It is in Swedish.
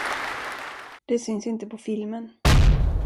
Det syns inte på filmen.